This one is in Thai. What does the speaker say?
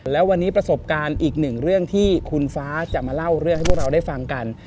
แล้ววันนี้ประสบการณ์อีกหนึ่งเรื่องที่คุณฟ้าจะมาเล่าเรื่องให้พวกเราได้ฟังกัน